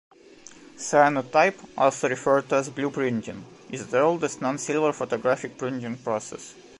Cyanotype, also referred to as "blueprinting", is the oldest non-silver photographic printing process.